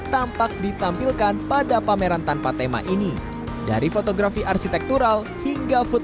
tampak ditampilkan pada pameran tanpa tema ini dari fotografi arsitektural hingga food